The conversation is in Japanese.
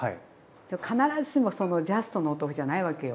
必ずしもそのジャストのお豆腐じゃないわけよ。